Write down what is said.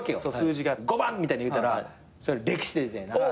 「５番」みたいに言うたら歴史出たんよな。